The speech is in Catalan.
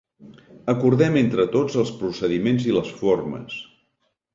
Acordem entre tots els procediments i les formes.